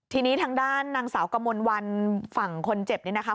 ทีนี้ทางด้านนางสาวกมลวันฝั่งคนเจ็บนี่นะคะ